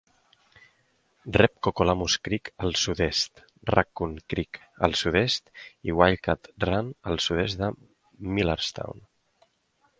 Rep Cocolamus Creek al sud-est, Raccoon Creek al sud-est i Wildcat Run al sud-est de Millerstown.